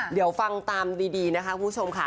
เดี๋ยวฟังตามดีนะคะคุณผู้ชมค่ะ